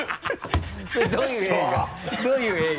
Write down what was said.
それどういう映画？